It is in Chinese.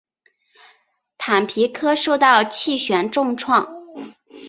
坦皮科受到气旋重创。